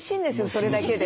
それだけで。